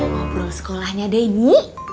ngobrol sekolahnya denny